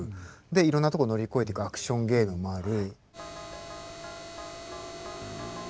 でいろんなとこ乗り越えてくアクションゲームもある。